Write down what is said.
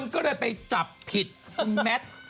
คนก็เลยไปจับผิดแมท